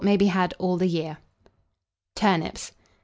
May be had all the year. TURNIPS.